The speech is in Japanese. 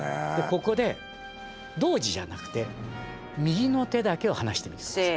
ここで同時じゃなくて右の手だけを離してみて下さい。